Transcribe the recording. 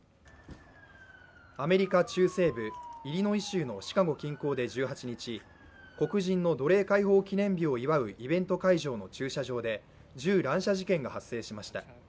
アメリカ中西部、イリノイ州のシカゴ近郊で１８日、黒人の奴隷解放記念日を祝うイベント会場の駐車場で銃乱射事件が発生しました。